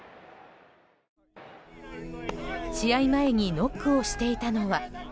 試合前にノックをしていたのは。